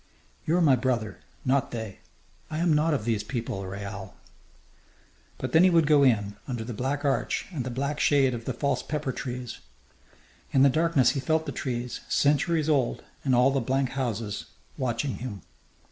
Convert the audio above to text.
"You are my brother: not they. I am not of these people, Raoul!" But then he would go in, under the black arch and the black shade of the false pepper trees. In the darkness he felt the trees, centuries old, and all the blank houses watching him....